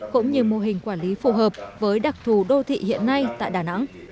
cũng như mô hình quản lý phù hợp với đặc thù đô thị hiện nay tại đà nẵng